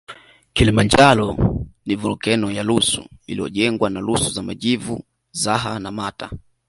Kilimanjaro ni volkeno ya rusu iliyojengwa na rusu za majivu zaha na mata